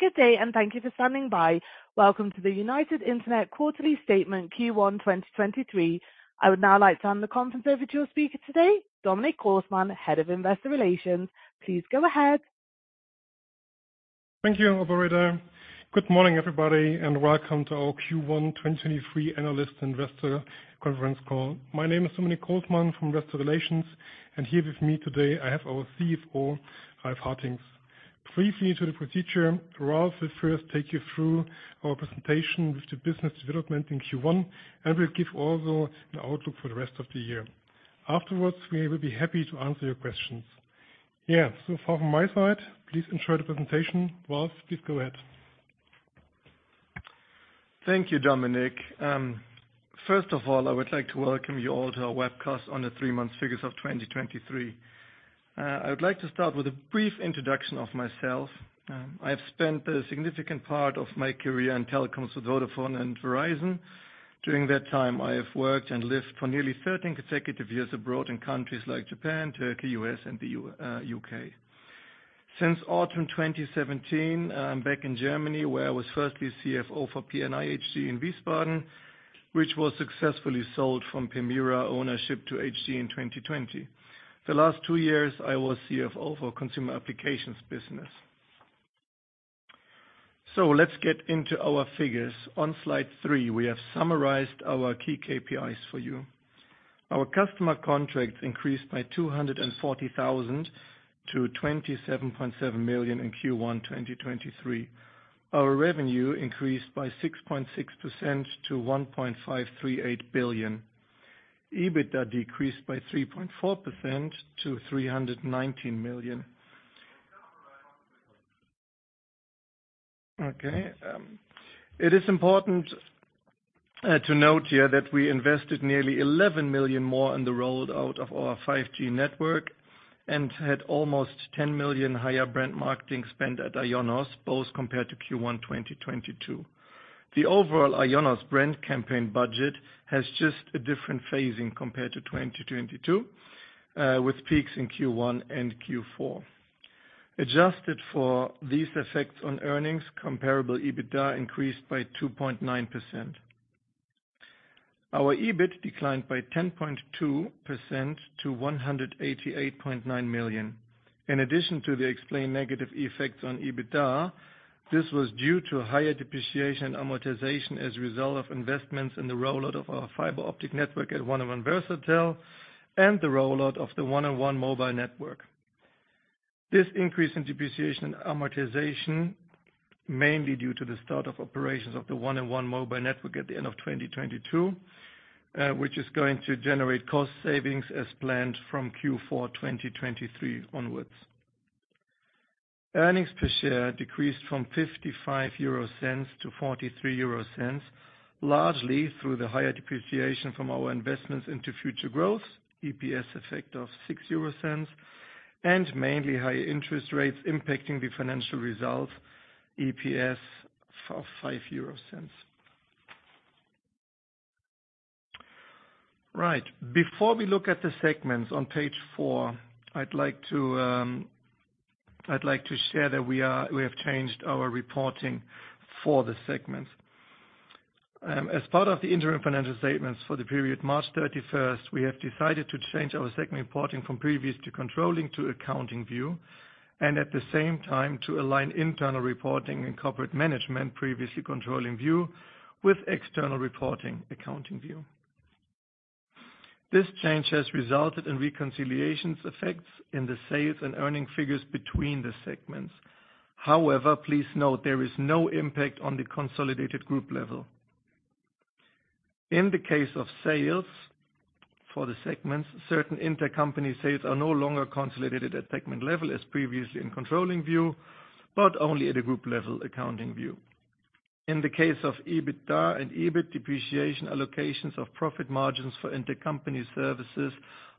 Good day. Thank you for standing by. Welcome to the United Internet quarterly statement Q1 2023. I would now like to hand the conference over to your speaker today, Dominic Großmann, Head of Investor Relations. Please go ahead. Thank you, operator. Good morning, everybody, and welcome to our Q1 2023 analyst investor conference call. My name is Dominic Großmann from Investor Relations, and here with me today, I have our CFO, Ralf Hartings. Briefly to the procedure, Ralf will first take you through our presentation with the business development in Q1, and we'll give also an outlook for the rest of the year. Afterwards, we will be happy to answer your questions. Yeah. So far from my side, please enjoy the presentation. Ralf, please go ahead. Thank you, Dominic. First of all, I would like to welcome you all to our webcast on the 3-month figures of 2023. I would like to start with a brief introduction of myself. I have spent a significant part of my career in telecoms with Vodafone and Verizon. During that time, I have worked and lived for nearly 13 consecutive years abroad in countries like Japan, Turkey, U.S. and the U.K. Since autumn 2017, I'm back in Germany, where I was firstly CFO for P&I AG in Wiesbaden, which was successfully sold from Permira ownership to Hg in 2020. The last 2 years, I was CFO for Consumer Applications business. Let's get into our figures. On Slide 3, we have summarized our key KPIs for you. Our customer contracts increased by 240,000 to 27.7 million in Q1 2023. Our revenue increased by 6.6% to 1.538 billion. EBITDA decreased by 3.4% to 319 million. It is important to note here that we invested nearly 11 million more in the rollout of our 5G network and had almost 10 million higher brand marketing spend at IONOS, both compared to Q1 2022. The overall IONOS brand campaign budget has just a different phasing compared to 2022, with peaks in Q1 and Q4. Adjusted for these effects on earnings, comparable EBITDA increased by 2.9%. Our EBIT declined by 10.2% to 188.9 million. In addition to the explained negative effects on EBITDA, this was due to higher depreciation amortization as a result of investments in the rollout of our fiber optic network at 1&1 Versatel and the rollout of the 1&1 mobile network. This increase in depreciation amortization, mainly due to the start of operations of the 1&1 mobile network at the end of 2022, which is going to generate cost savings as planned from Q4 2023 onwards. Earnings per share decreased from 0.55 to 0.43, largely through the higher depreciation from our investments into future growth, EPS effect of 0.06, and mainly higher interest rates impacting the financial results, EPS of 0.05. Right. Before we look at the segments on page 4, I'd like to share that we have changed our reporting for the segments. As part of the interim financial statements for the period March 31st, we have decided to change our segment reporting from previous to controlling to accounting view, and at the same time to align internal reporting and corporate management, previously controlling view, with external reporting accounting view. This change has resulted in reconciliations effects in the sales and earning figures between the segments. Please note there is no impact on the consolidated group level. In the case of sales for the segments, certain intercompany sales are no longer consolidated at segment level as previously in controlling view, but only at a group level accounting view. In the case of EBITDA and EBIT, depreciation allocations of profit margins for intercompany services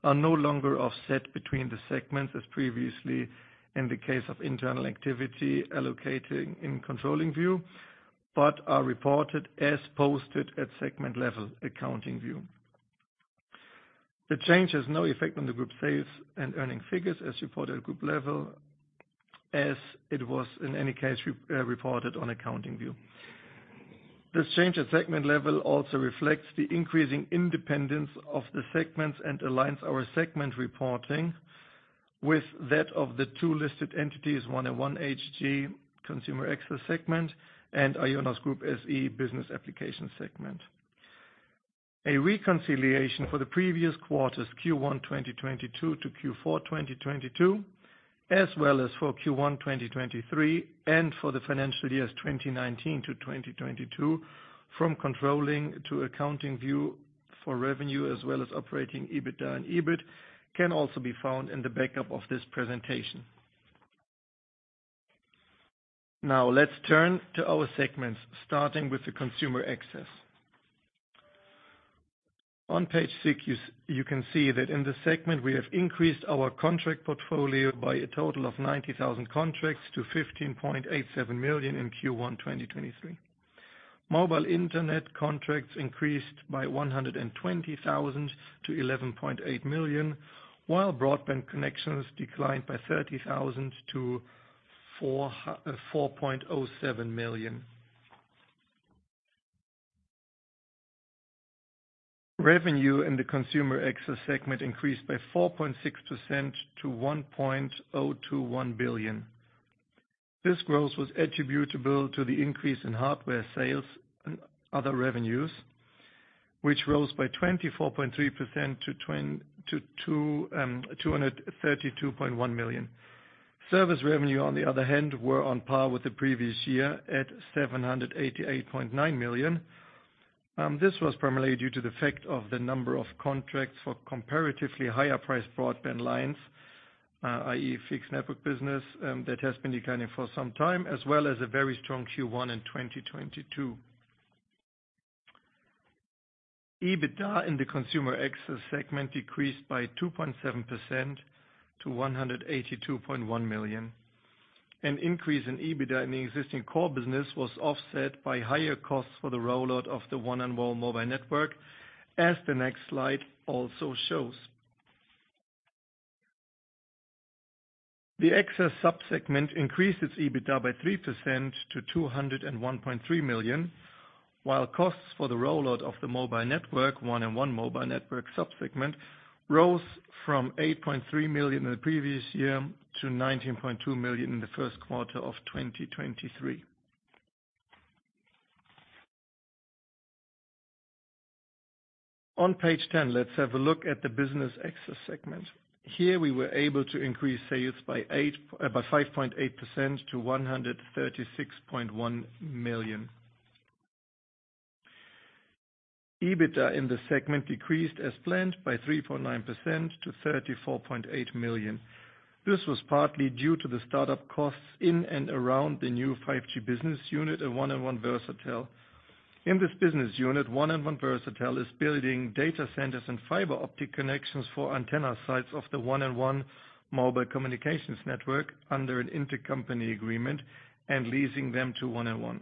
are no longer offset between the segments as previously in the case of internal activity allocating in controlling view, but are reported as posted at segment level accounting view. The change has no effect on the group sales and earning figures as reported at group level as it was in any case reported on accounting view. This change at segment level also reflects the increasing independence of the segments and aligns our segment reporting with that of the two listed entities, 1&1 AG Consumer Access segment and IONOS Group SE Business Applications segment. A reconciliation for the previous quarters Q1 2022 to Q4 2022, as well as for Q1 2023, and for the financial years 2019-2022 from controlling to accounting view for revenue as well as operating EBITDA and EBIT can also be found in the backup of this presentation. Let's turn to our segments, starting with the Consumer Access. On page 6, you can see that in this segment we have increased our contract portfolio by a total of 90,000 contracts to 15.87 million in Q1 2023. Mobile internet contracts increased by 120,000 to 11.8 million, while broadband connections declined by 30,000 to 4.07 million. Revenue in the Consumer Access segment increased by 4.6% to 1.021 billion. This growth was attributable to the increase in hardware sales and other revenues, which rose by 24.3% to 232.1 million. Service revenue, on the other hand, were on par with the previous year at 788.9 million. This was primarily due to the effect of the number of contracts for comparatively higher priced broadband lines, i.e. fixed network business, that has been declining for some time, as well as a very strong Q1 in 2022. EBITDA in the Consumer Access segment decreased by 2.7% to 182.1 million. An increase in EBITDA in the existing core business was offset by higher costs for the rollout of the 1&1 mobile network, as the next slide also shows. The access sub-segment increased its EBITDA by 3% to 201.3 million, while costs for the rollout of the mobile network, 1&1 Mobile Network Sub-segment, rose from 8.3 million in the previous year to 19.2 million in the first quarter of 2023. On page 10, let's have a look at the Business Access segment. Here we were able to increase sales by 5.8% to 136.1 million. EBITDA in the segment decreased as planned by 3.9% to 34.8 million. This was partly due to the start-up costs in and around the new 5G business unit at 1&1 Versatel. In this business unit, 1&1 Versatel is building data centers and fiber optic connections for antenna sites of the 1&1 Mobile Communications network under an intercompany agreement and leasing them to 1&1.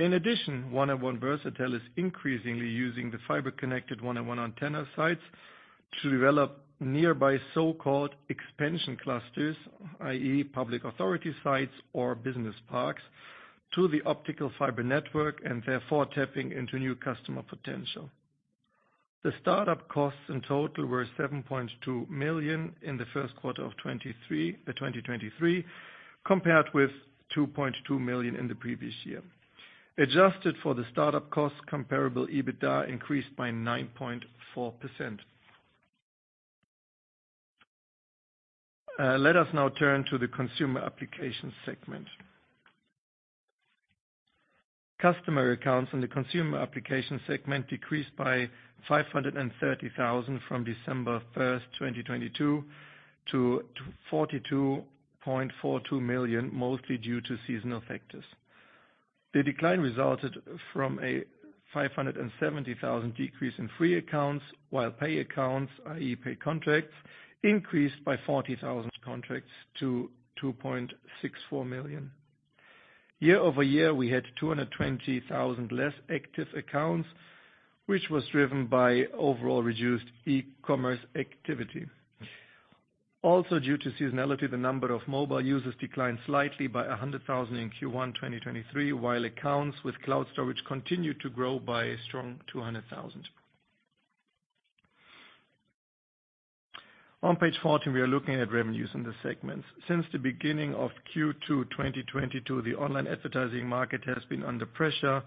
In addition, 1&1 Versatel is increasingly using the fiber-connected 1&1 antenna sites to develop nearby so-called expansion clusters, i.e. public authority sites or business parks, to the optical fiber network and therefore tapping into new customer potential. The start-up costs in total were 7.2 million in Q1 2023, compared with 2.2 million in the previous year. Adjusted for the start-up costs, comparable EBITDA increased by 9.4%. Let us now turn to the Consumer Applications segment. Customer accounts in the Consumer Applications segment decreased by 530,000 from December 1, 2022 to 42.42 million, mostly due to seasonal factors. The decline resulted from a 570,000 decrease in free accounts, while pay accounts, i.e., paid contracts, increased by 40,000 contracts to 2.64 million. Year-over-year, we had 220,000 less active accounts, which was driven by overall reduced e-commerce activity. Due to seasonality, the number of mobile users declined slightly by 100,000 in Q1 2023, while accounts with cloud storage continued to grow by a strong 200,000. On page 14, we are looking at revenues in the segments. Since the beginning of Q2 2022, the online advertising market has been under pressure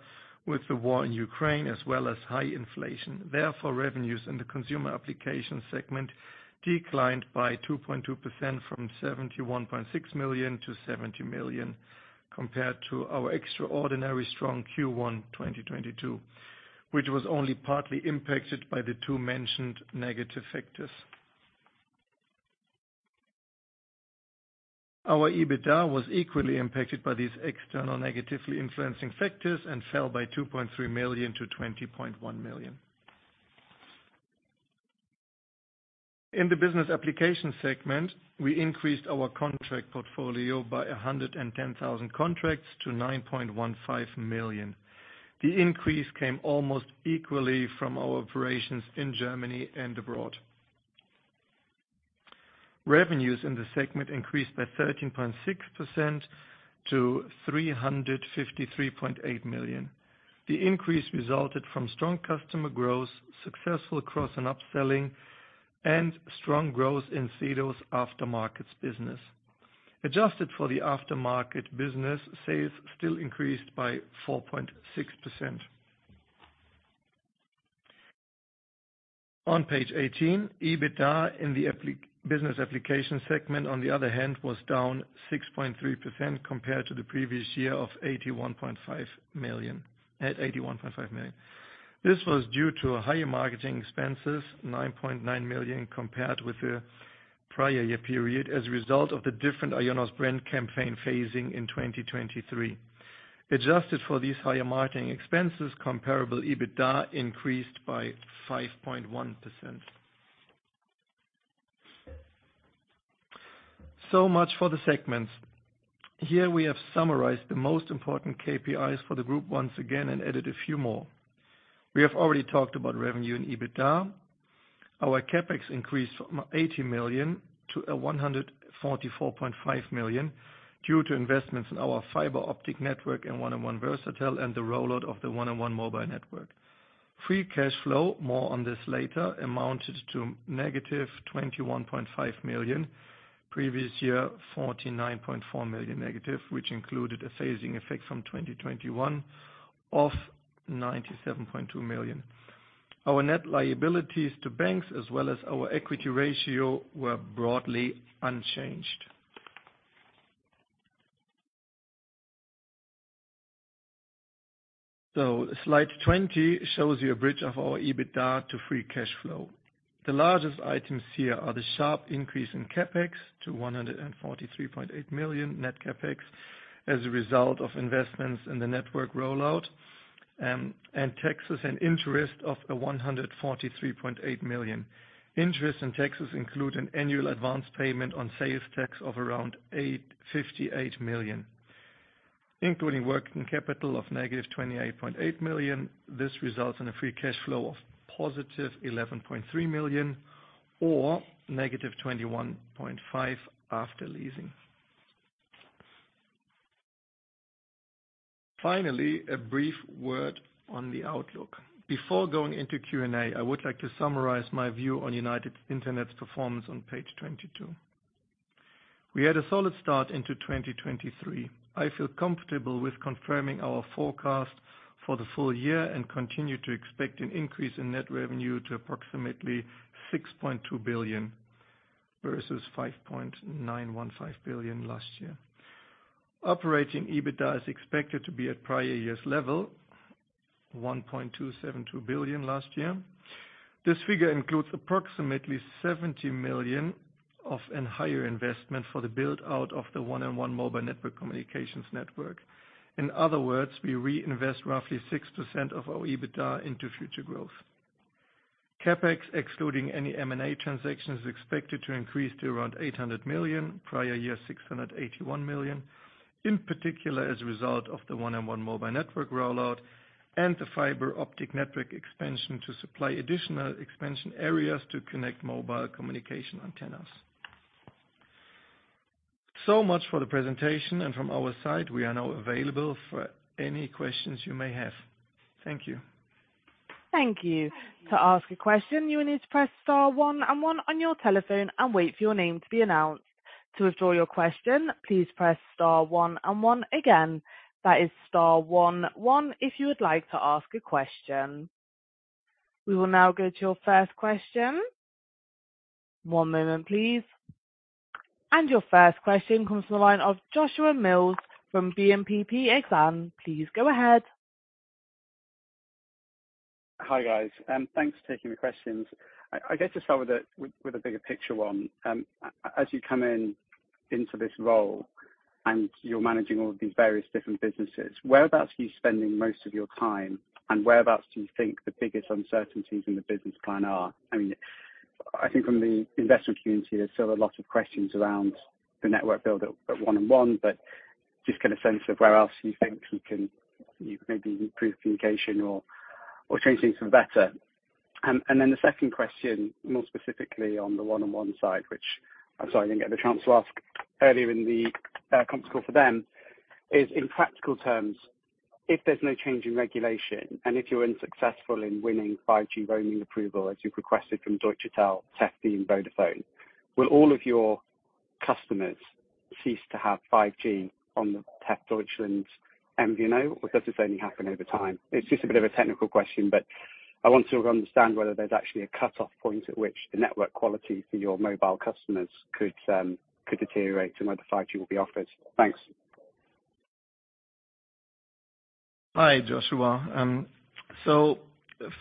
with the war in Ukraine as well as high inflation. Therefore, revenues in the Consumer Applications segment declined by 2.2% from 71.6 million to 70 million compared to our extraordinary strong Q1 2022, which was only partly impacted by the 2 mentioned negative factors. Our EBITDA was equally impacted by these external negatively influencing factors and fell by 2.3 million to 20.1 million. In the Business Applications segment, we increased our contract portfolio by 110,000 contracts to 9.15 million. The increase came almost equally from our operations in Germany and abroad. Revenues in the segment increased by 13.6% to 353.8 million. The increase resulted from strong customer growth, successful cross and upselling, and strong growth in IONOS's aftermarkets business. Adjusted for the aftermarket business, sales still increased by 4.6%. On page 18, EBITDA in the Business Applications segment, on the other hand, was down 6.3% compared to the previous year of 81.5 million, at 81.5 million. This was due to higher marketing expenses, 9.9 million, compared with the prior year period as a result of the different IONOS brand campaign phasing in 2023. Adjusted for these higher marketing expenses, comparable EBITDA increased by 5.1%. So much for the segments. Here we have summarized the most important KPIs for the group once again and added a few more. We have already talked about revenue and EBITDA. Our CapEx increased from 80 million to 144.5 million due to investments in our fiber optic network and 1&1 Versatel and the rollout of the 1&1 mobile network. Free cash flow, more on this later, amounted to negative 21.5 million, previous year 49.4 million negative, which included a phasing effect from 2021 of 97.2 million. Our net liabilities to banks, as well as our equity ratio, were broadly unchanged. Slide 20 shows you a bridge of our EBITDA to free cash flow. The largest items here are the sharp increase in CapEx to 143.8 million net CapEx as a result of investments in the network rollout, and taxes and interest of a 143.8 million. Interest and taxes include an annual advanced payment on sales tax of around 58 million, including working capital of -28.8 million. This results in a free cash flow of +11.3 million or -21.5 after leasing. Finally, a brief word on the outlook. Before going into Q&A, I would like to summarize my view on United Internet's performance on page 22. We had a solid start into 2023. I feel comfortable with confirming our forecast for the full year and continue to expect an increase in net revenue to approximately 6.2 billion versus 5.915 billion last year. Operating EBITDA is expected to be at prior year's level, 1.272 billion last year. This figure includes approximately 70 million of a higher investment for the build-out of the 1&1 mobile network communications network. We reinvest roughly 6% of our EBITDA into future growth. CapEx, excluding any M&A transaction, is expected to increase to around 800 million, prior year 681 million, in particular as a result of the 1&1 mobile network rollout and the fiber-optic network expansion to supply additional expansion areas to connect mobile communication antennas. So much for the presentation. From our side, we are now available for any questions you may have. Thank you. Thank you. To ask a question, you will need to press star one and one on your telephone and wait for your name to be announced. To withdraw your question, please press star one and one again. That is star one one if you would like to ask a question. We will now go to your first question. One moment, please. Your first question comes from the line of Joshua Mills from BNP Paribas Exane. Please go ahead. Hi, guys. Thanks for taking the questions. I guess to start with a bigger picture one. As you come into this role and you're managing all of these various different businesses, whereabouts are you spending most of your time, and whereabouts do you think the biggest uncertainties in the business plan are? I mean, I think from the investment community, there's still a lot of questions around the network build at 1&1, but just get a sense of where else you think you can maybe improve communication or change things for the better. The second question, more specifically on the 1&1 side, which I'm sorry I didn't get the chance to ask earlier in the conference call for them, is in practical terms, if there's no change in regulation and if you're unsuccessful in winning 5G roaming approval, as you've requested from Deutsche Telekom, Telefónica, Vodafone, will all of your customers cease to have 5G on the Telefónica Deutschland MVNO, or does this only happen over time? It's just a bit of a technical question, but I want to understand whether there's actually a cutoff point at which the network quality for your mobile customers could deteriorate and whether 5G will be offered. Thanks. Hi, Joshua.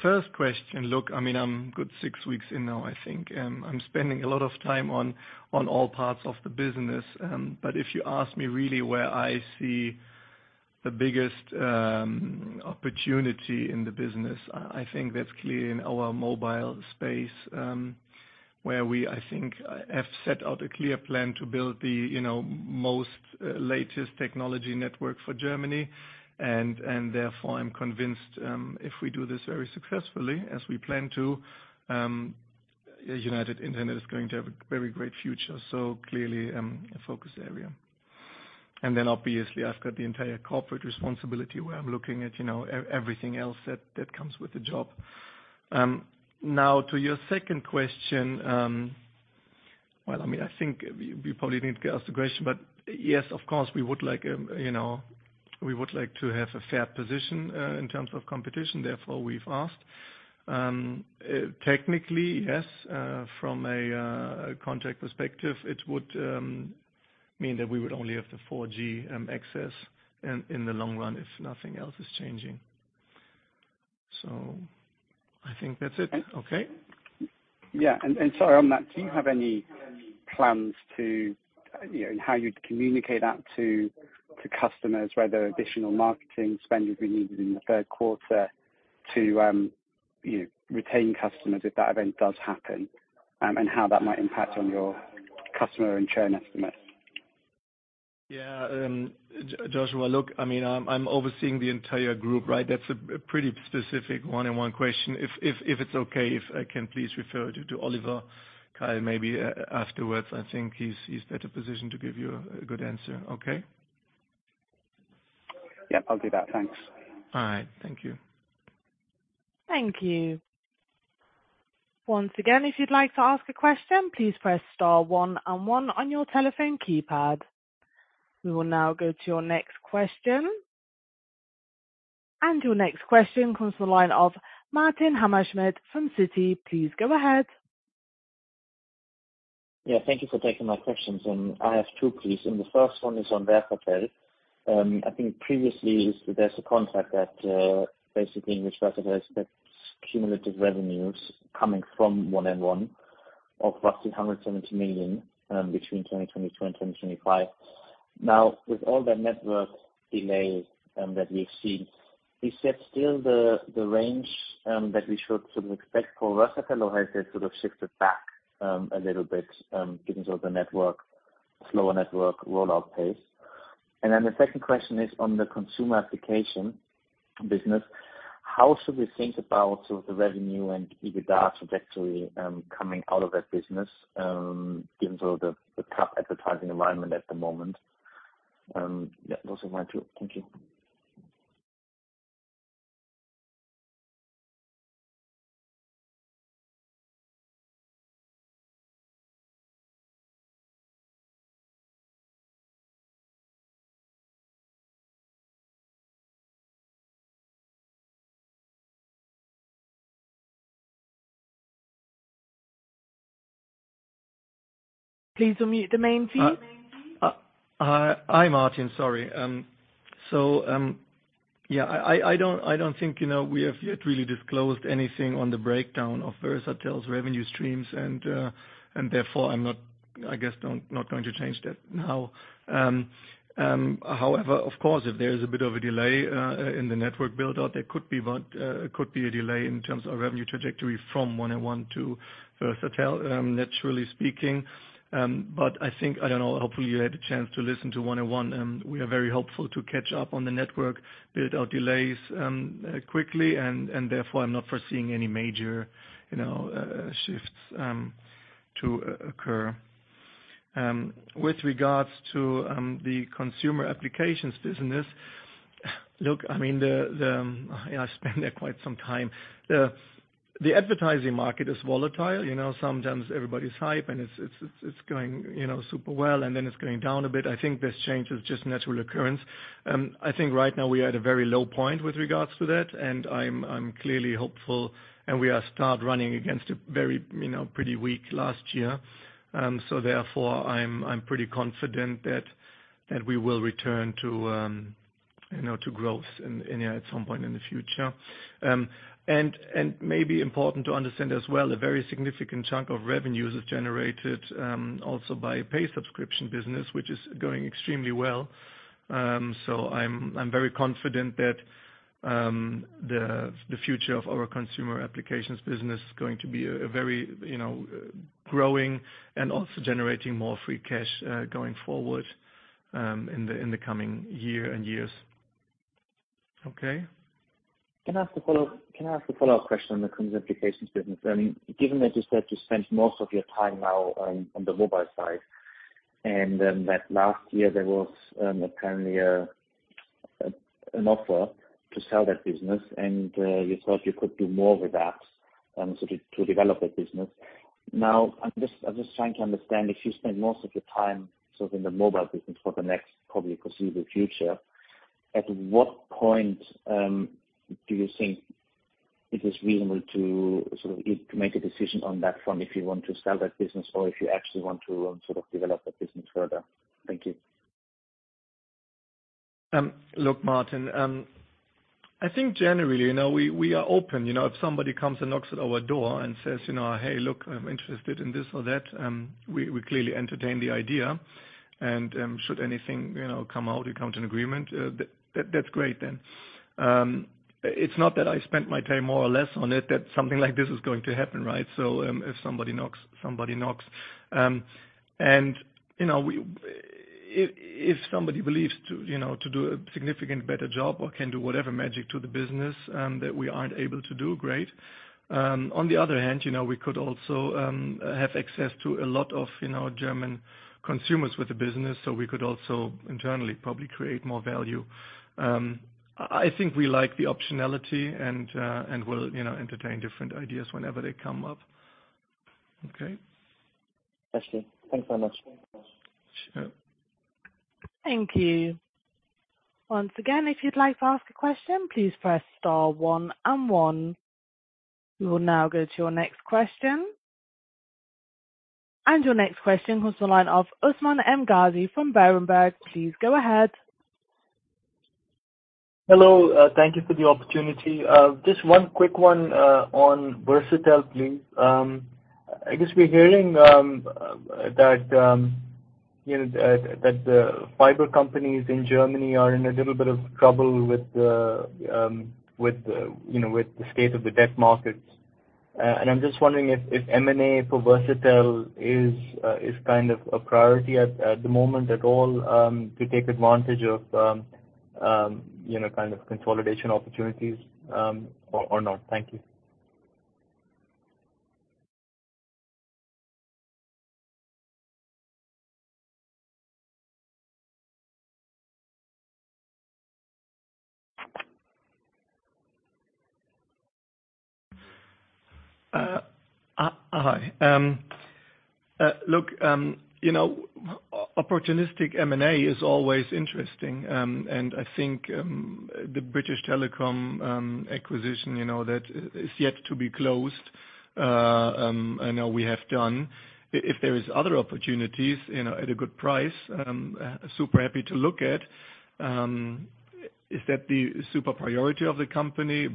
First question. Look, I mean, I'm good six weeks in now, I think. I'm spending a lot of time on all parts of the business. If you ask me really where I see the biggest opportunity in the business, I think that's clear in our mobile space, where we, I think, have set out a clear plan to build the, you know, most latest technology network for Germany. Therefore, I'm convinced, if we do this very successfully, as we plan to, United Internet is going to have a very great future. Clearly, a focus area. Then obviously I've got the entire corporate responsibility where I'm looking at, you know, everything else that comes with the job. To your second question. Well, I think we probably need to ask the question, but yes, of course, we would like to have a fair position in terms of competition. Therefore, we've asked. Technically, yes, from a contract perspective, it would mean that we would only have the 4G access in the long run if nothing else is changing. I think that's it. Okay. Yeah. Sorry on that, do you have any plans to, you know, how you'd communicate that to customers, whether additional marketing spend would be needed in the third quarter, to, you know, retain customers if that event does happen, and how that might impact on your customer and churn estimates? Yeah. Joshua, look, I mean, I'm overseeing the entire group, right? That's a pretty specific 1&1 question. If, if it's okay, if I can please refer you to Oliver Keil, maybe afterwards, I think he's better positioned to give you a good answer. Okay? Yep, I'll do that. Thanks. All right. Thank you. Thank you. Once again, if you'd like to ask a question, please press star one and one on your telephone keypad. We will now go to your next question. Your next question comes from the line of Martin Hammerschmidt from Citi. Please go ahead. Thank you for taking my questions. I have two, please. The first one is on Versatel. I think previously is there's a contract that basically in which Versatel expects cumulative revenues coming from 1&1 of roughly 170 million between 2022 and 2025. Now, with all the network delays that we've seen, is that still the range that we should sort of expect for Versatel, or has it sort of shifted back a little bit given sort of the network, slower network rollout pace? The second question is on the Consumer Applications business. How should we think about sort of the revenue and EBITDA trajectory coming out of that business given sort of the tough advertising environment at the moment? Those are my two. Thank you. Please unmute the main feed. Hi, Martin. Sorry. I don't think, you know, we have yet really disclosed anything on the breakdown of Versatel's revenue streams and therefore I'm not, I guess, not going to change that now. However, of course, if there is a bit of a delay in the network build-out, there could be one, could be a delay in terms of revenue trajectory from 1&1 to Versatel, naturally speaking. I think. I don't know. Hopefully, you had a chance to listen to 1&1. We are very hopeful to catch up on the network build-out delays quickly and therefore I'm not foreseeing any major, you know, shifts to occur. With regards to the Consumer Applications business. Look, I mean, you know, I spent there quite some time. The advertising market is volatile. You know, sometimes everybody's hype and it's going, you know, super well, and then it's going down a bit. I think this change is just natural occurrence. I think right now we are at a very low point with regards to that, and I'm clearly hopeful, and we are start running against a very, you know, pretty weak last year. Therefore I'm pretty confident that we will return to, you know, to growth in at some point in the future. Maybe important to understand as well, a very significant chunk of revenues is generated also by pay subscription business, which is going extremely well. I'm very confident that the future of our Consumer Applications business is going to be a very, you know, growing and also generating more free cash going forward in the coming year and years. Okay. Can I ask a follow-up question on the Consumer Applications business? I mean, given that you said you spend most of your time now on the mobile side, and that last year there was apparently an offer to sell that business and you thought you could do more with that, so to develop that business, I'm just trying to understand if you spend most of your time sort of in the mobile business for the next probably foreseeable future, at what point do you think it is reasonable to sort of make a decision on that front if you want to sell that business or if you actually want to sort of develop that business further? Thank you. Look, Martin, I think generally, you know, we are open. You know, if somebody comes and knocks at our door and says, you know, "Hey, look, I'm interested in this or that," we clearly entertain the idea. Should anything, you know, come out, we come to an agreement, that's great then. It's not that I spent my time more or less on it, that something like this is going to happen, right? If somebody knocks, somebody knocks. You know, we... If, if somebody believes to, you know, to do a significant better job or can do whatever magic to the business, that we aren't able to do, great. On the other hand, you know, we could also have access to a lot of, you know, German consumers with the business, so we could also internally probably create more value. I think we like the optionality and we'll, you know, entertain different ideas whenever they come up. Okay. Thank you. Thanks so much. Sure. Thank you. Once again, if you'd like to ask a question, please press star one and one. We will now go to your next question. Your next question comes from the line of Usman M. Ghazi from Berenberg. Please go ahead. Hello. Thank you for the opportunity. Just one quick one, on Versatel, please. I guess we're hearing. You know, that the fiber companies in Germany are in a little bit of trouble with the, you know, with the state of the debt markets. I'm just wondering if M&A for Versatel is kind of a priority at the moment at all, to take advantage of, you know, kind of consolidation opportunities, or not. Thank you. Hi. Look, you know, opportunistic M&A is always interesting. I think the British Telecom acquisition, you know, that is yet to be closed, I know we have done. If there is other opportunities, you know, at a good price, super happy to look at. Is that the super priority of the company?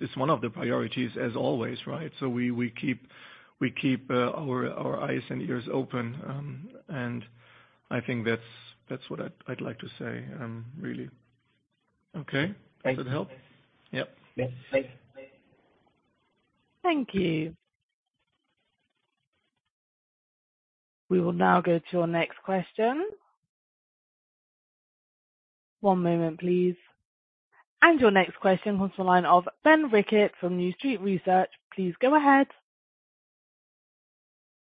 It's one of the priorities as always, right? We keep our eyes and ears open. I think that's what I'd like to say, really. Okay. Thank you. Does it help? Yep. Yes. Thank you. Thank you. We will now go to our next question. One moment please. Your next question comes from the line of Ben Rickett from New Street Research. Please go ahead.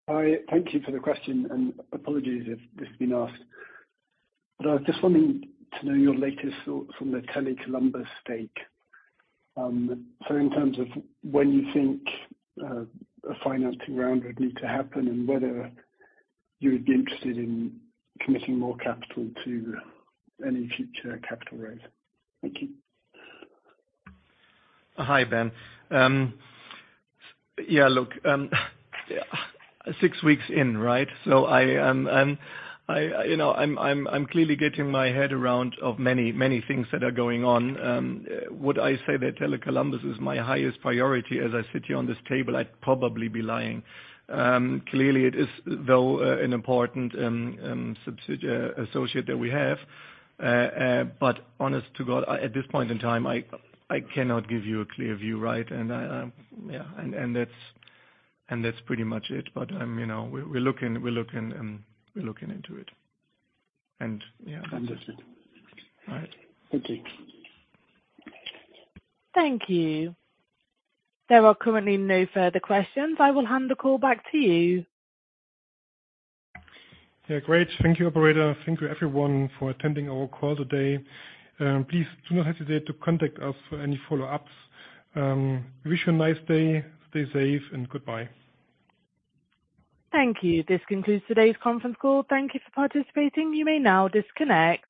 Hi. Thank you for the question and apologies if this has been asked, but I was just wanting to know your latest thoughts on the Tele Columbus stake. In terms of when you think a financing round would need to happen and whether you would be interested in committing more capital to any future capital raise. Thank you. Hi, Ben. Yeah, look, six weeks in, right? I, you know, I'm clearly getting my head around of many things that are going on. Would I say that Tele Columbus is my highest priority as I sit here on this table? I'd probably be lying. Clearly it is, though, an important associate that we have. Honest to God, at this point in time, I cannot give you a clear view, right? I, yeah. That's pretty much it. You know, we're looking into it and, yeah. Understood. All right. Thank you. Thank you. There are currently no further questions. I will hand the call back to you. Great. Thank you, operator. Thank you everyone for attending our call today. Please do not hesitate to contact us for any follow-ups. Wish you a nice day. Stay safe and goodbye. Thank you. This concludes today's conference call. Thank you for participating. You may now disconnect.